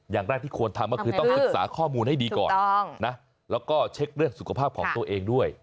อย่างแรกที่ควรทำก็คือต้องศึกษาข้อมูลให้ดีก่อนนะแล้วก็เช็คเรื่องสุขภาพของตัวเองด้วย